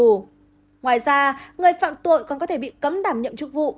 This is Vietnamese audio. ngoài ra người phạm tội còn có thể bị cấm đảm nhiệm chức vụ